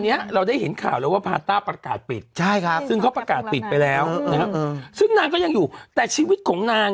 นี้เราได้เห็นข่าวเลยว่าพันต้าประกาศปิดใช่ครับก็ไปแล้วธุรกิจของนาง